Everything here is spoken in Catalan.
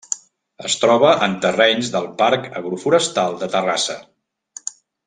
Es troba en terrenys del Parc Agroforestal de Terrassa.